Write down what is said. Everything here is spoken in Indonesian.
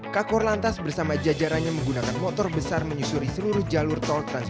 kak korlantas bersama jajarannya menggunakan motor besar menyusuri seluruh jalur tol trans